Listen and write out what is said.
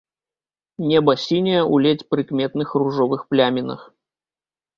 Неба сіняе ў ледзь прыкметных ружовых плямінах.